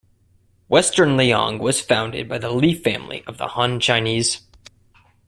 Western Liang was founded by the Li family of the Han Chinese.